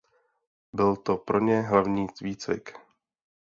Byl to pro ně hlavní výcvik.